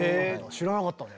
知らなかったね。